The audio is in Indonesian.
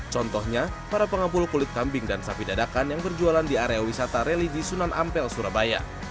contohnya para pengapul kulit kambing dan sapi dadakan yang berjualan di area wisata religi sunan ampel surabaya